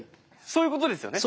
そういうことですよね？